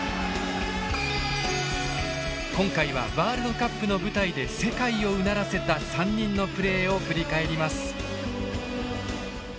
今回はワールドカップの舞台で世界をうならせた３人のプレーを振り返ります。